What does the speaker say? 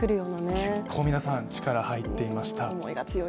結構皆さん、力が入っていました。